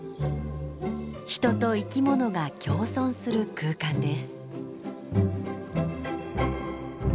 人と生き物が共存する空間です。